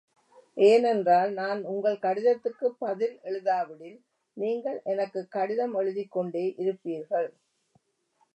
ஏனென்றால், நான் உங்கள் கடிதத்துக்குப் பதில் எழுதாவிடில் நீங்கள் எனக்குக் கடிதம் எழுதிக் கொண்டே இருப்பீர்கள்.